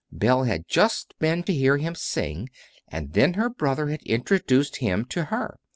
Belle had just been to hear him sing, and then her brother had introduced him to her.